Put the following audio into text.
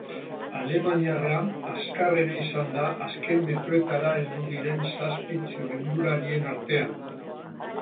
Alemaniarra azkarrena izan da azken metroetara heldu diren zazpi txirrindularien artean.